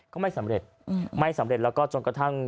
ก็ไม่สำเร็จไม่สำเร็จแล้วก็จนกระทั่ง